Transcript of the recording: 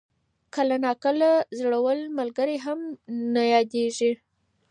کله ناکله زوړ ملګری نوم نه یادېږي.